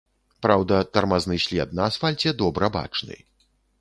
Праўда, тармазны след на асфальце добра бачны.